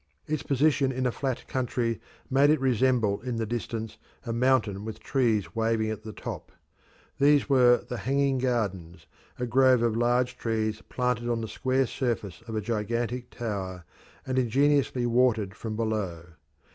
Its position in a flat country made it resemble in the distance a mountain with trees waving at the top. These were the "hanging gardens," a grove of large trees planted on the square surface of a gigantic tower, and ingeniously watered from below.